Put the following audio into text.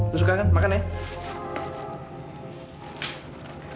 lu suka kan makan ya